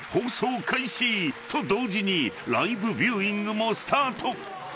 ［と同時にライブビューイングもスタート］